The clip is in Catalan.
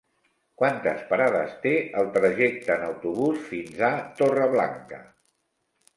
Quantes parades té el trajecte en autobús fins a Torreblanca?